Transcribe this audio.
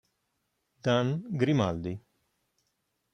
Dan Grimaldi